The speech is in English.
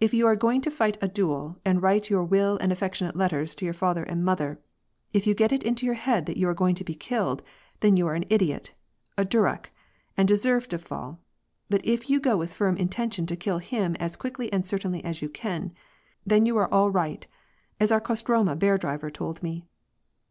If you are going to fight a duel and write your will and affectionate letters to your father and mother, if you get it into your head that you are going to be killed, then you are an idiot — a durak — and deserve to fall, but if you go with firm intention to kill him as quickly and certainly as you can, then you are all right, as our Kostroma bear driver told me.